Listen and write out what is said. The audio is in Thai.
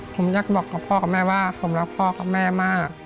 ผมอยากบอกกับพ่อกับแม่ว่าผมรักพ่อกับแม่มาก